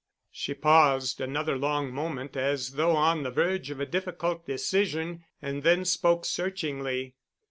She paused another long moment as though on the verge of a difficult decision and then spoke searchingly.